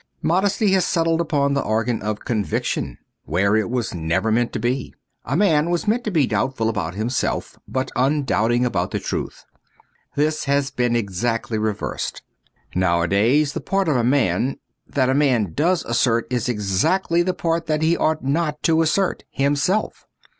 Modesty has settled upon the organ of conviction — where it was never meant to be. A man was meant to be doubtful about himself, but undoubting about the truth ; this has been exactly reversed. Nowadays the part of a man that a man does assert is exactly the part he ought not to assert — himself.